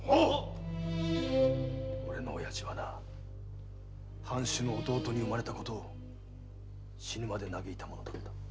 俺の親父はな藩主の弟に生まれたことを死ぬまで嘆いたものだ。